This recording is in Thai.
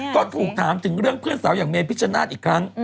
ก็ถูกถามถึงเรื่องเพื่อนสาวอย่างเมพิชชนาธิ์อีกครั้ง